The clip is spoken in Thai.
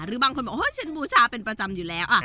หรือบางคนบอกว่าเช่นบูชาเป็นประจำอยู่แล้ว